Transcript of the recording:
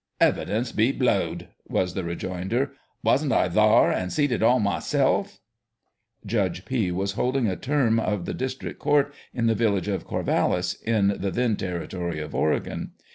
" Evidence be blowed !" was the rejoinder. " Wasn't I thar, and see'd it all myself?" Judge P. was holding a term of the district court in the village of Corvallis, in the tlien territory of Oregon.